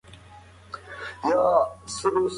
کمپيوټر ټايپ تېز کوي.